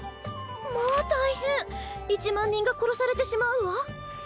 まあ大変１万人が殺されてしまうわ